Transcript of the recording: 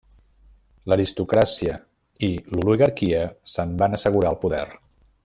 L'aristocràcia i l'oligarquia se'n van assegurar el poder.